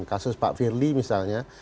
kasus pak firli misalnya